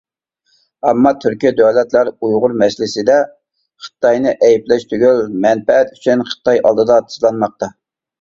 ئەمما تۈركى دۆلەتلەر ئۇيغۇر مەسىلىسىدە خىتاينى ئەيىبلەش تۈگۈل، مەنپەئەت ئۈچۈن خىتاي ئالدىدا تىزلانماقتا.